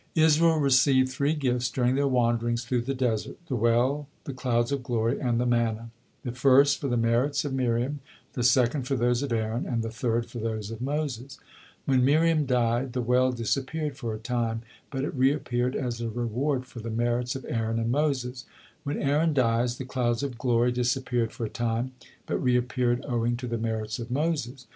Israel received three gifts during their wanderings through the desert: the well, the clouds of glory, and the manna; the first for the merits of Miriam, the second for those of Aaron, and the third for those of Moses. When Miriam died, the well disappeared for a time, but it reappeared as a reward for the merits of Aaron and Moses; when Aaron dies, the clouds of glory disappeared for a time, but reappeared owing to the merits of Moses.